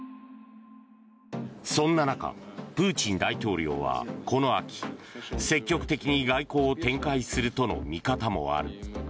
そんな中プーチン大統領は、この秋積極的に外交を展開するとの見方もある。